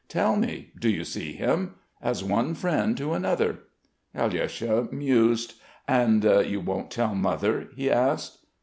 Tell me, do you see him? As one friend to another." Alyosha mused. "And you won't tell Mother?" he asked.